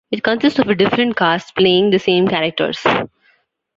It consists of a different cast playing the same characters.